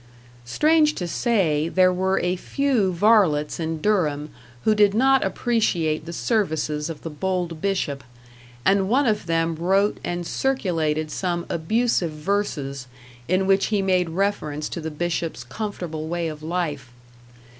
Strange to say, there were a few varlets in Durham who did not appreciate the services of the bold Bishop, and one of them wrote and circulated some abusive verses, in which he made reference to the Bishop's comfortable way of life.